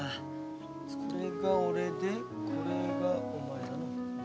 これが俺でこれがお前だの。